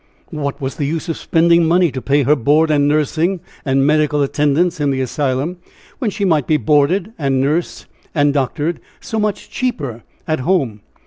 What was the use of spending money to pay her board, and nursing, and medical attendance, in the asylum, when she might be boarded and nursed and doctored so much cheaper at home?